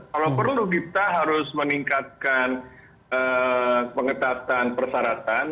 kalau perlu kita harus meningkatkan pengetatan persyaratan